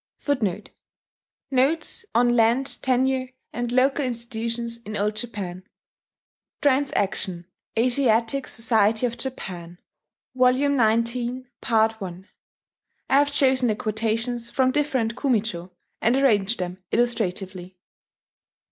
"* [*"Notes on Land Tenure and Local Institutions in Old Japan" (Transactions Asiatic Society of Japan, Vol. XIX, Part I) I have chosen the quotations from different kumi cho, and arranged them illustratively.